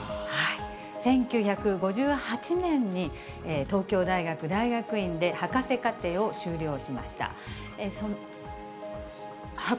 １９５８年に東京大学大学院で博士課程を修了しました。